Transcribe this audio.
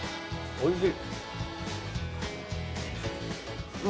おいしい！